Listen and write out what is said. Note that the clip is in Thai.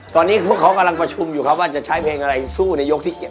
ตอนนี้พวกเขากำลังประชุมอยู่ครับว่าจะใช้เพลงอะไรสู้ในยกที่๗